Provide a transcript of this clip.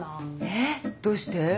えどうして？